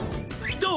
どう？